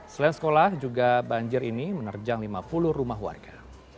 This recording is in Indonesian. selain sekolah juga banjir ini menerjang lima puluh rumah warga